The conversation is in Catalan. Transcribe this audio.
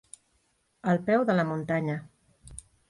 Al peu de la muntanya.